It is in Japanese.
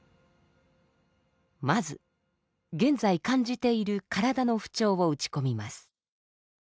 まず現在感じている体の不調を打ち込みます。